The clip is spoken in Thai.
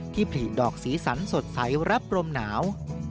ผลิดอกสีสันสดใสรับลมหนาว